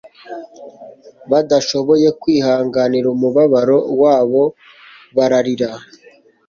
Badashoboye kwihanganira umubabaro wabo bararira.